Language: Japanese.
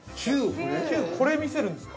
９これを見せるんですか。